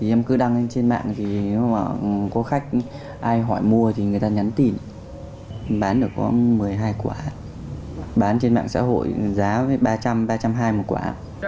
em cứ đăng trên mạng có khách ai hỏi mua thì người ta nhắn tìm bán được có một mươi hai quả bán trên mạng xã hội giá ba trăm linh ba trăm hai mươi một quả